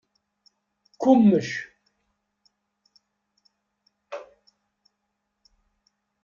Qummec.